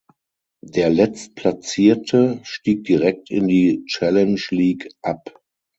Der Letztplatzierte stieg direkt in die Challenge League ab.